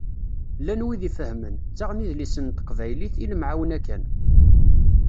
Llan wid ifehmen, ttaɣen idlisen n teqbaylit, i lemɛawna kan.